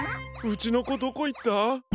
うちのこどこいった？